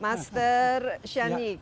master xiang yi